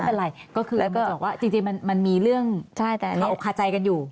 ไม่เป็นไรก็คือบอกว่าจริงมันมีเรื่องเขาอบคาใจกันอยู่